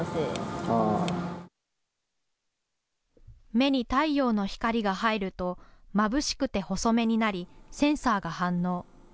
目に太陽の光が入るとまぶしくて細目になり、センサーが反応。